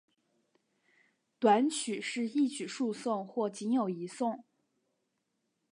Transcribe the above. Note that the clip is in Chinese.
短曲是一曲数颂或仅有一颂。